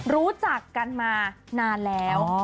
รู้จักกันมานานแล้ว